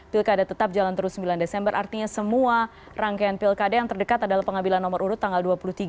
pilkada tetap jalan terus sembilan desember artinya semua rangkaian pilkada yang terdekat adalah pengambilan nomor urut tanggal dua puluh tiga